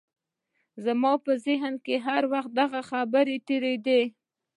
زما په ذهن کې هر وخت دغه خبرې تېرېدې